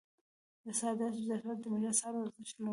د صادراتو زیاتوالی د ملي اسعارو ارزښت لوړوي.